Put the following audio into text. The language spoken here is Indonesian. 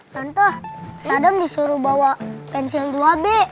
tantah sadam disuruh bawa pensil dua b